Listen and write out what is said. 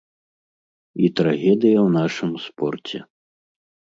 І трагедыя ў нашым спорце.